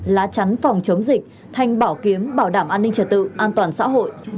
lá chắn phòng chống dịch thanh bảo kiếm bảo đảm an ninh trật tự an toàn xã hội